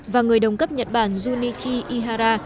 và người đồng cấp nhật bản junichi ihara